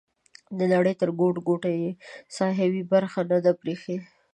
د نړۍ تر ګوټ ګوټه یې ساحوي برخه نه ده پریښې.